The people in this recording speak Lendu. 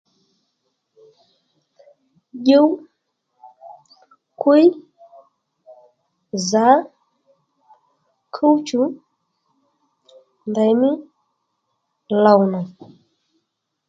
Dyúw, kwíy, zǎ, kúw-chù, ndèymí lòw nà